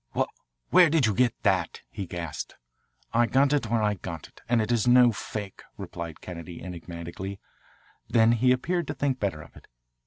"Wh where did you get that?" he gasped. "I got it where I got it, and it is no fake," replied Kennedy enigmatically. Then he appeared to think better of it.